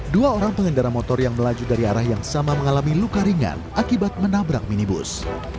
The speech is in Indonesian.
dua orang pengendara motor yang melaju dari arah yang sama mengalami luka ringan akibat menabrak minibus